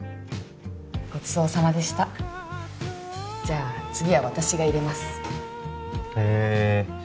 ごちそうさまでしたじゃあ次は私が入れますへえ